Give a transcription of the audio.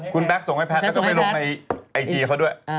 คุณแบ็คส่งให้แพทย์แล้วก็ไปลงในไอจีเขาด้วย